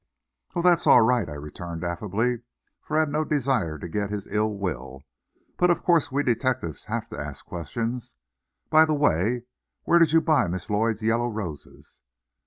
"Oh, that's all right," I returned affably, for I had no desire to get his ill will. "But of course we detectives have to ask questions. By the way, where did you buy Miss Lloyd's yellow roses?"